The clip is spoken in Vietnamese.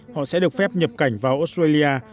họ sẽ được phép nhập cảnh vào australia